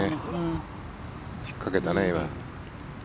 引っかけたね、今。